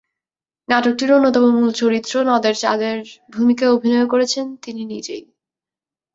নাটকটির অন্যতম মূল চরিত্র, নদের চাঁদের ভূমিকায় অভিনয়ও করেছেন তিনি নিজেই।